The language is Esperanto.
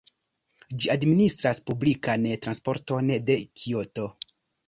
Ĝi administras publikan transporton de Kioto.